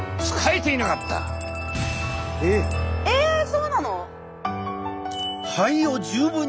そうなの！？